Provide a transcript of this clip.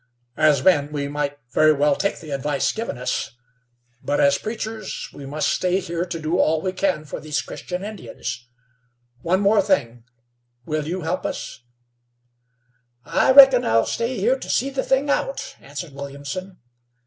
"As men, we might very well take the advice given us, but as preachers we must stay here to do all we can for these Christian Indians. One thing more: will you help us?" "I reckon I'll stay here to see the thing out," answered Williamson.